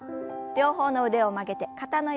両方の腕を曲げて肩の横へ。